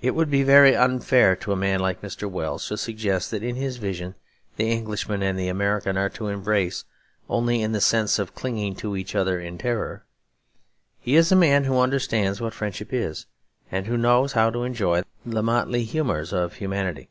It would be very unfair to a man like Mr. Wells to suggest that in his vision the Englishman and the American are to embrace only in the sense of clinging to each other in terror. He is a man who understands what friendship is, and who knows how to enjoy the motley humours of humanity.